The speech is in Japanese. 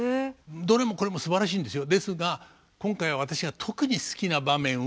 どれもこれもすばらしいんですよ。